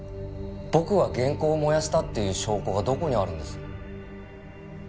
僕が原稿を燃やしたっていう証拠がどこにあるんです？